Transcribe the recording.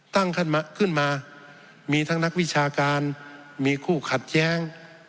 ตั้งขึ้นมามีทั้งนักวิชาการมีคู่ขัดแย้ง